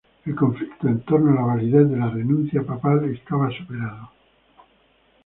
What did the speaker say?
El conflicto en torno a la validez de la renuncia papal estaba superado.